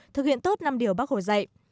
thực hiện tốt năm điều bắc hồ dạy